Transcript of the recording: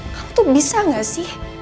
kamu tuh bisa gak sih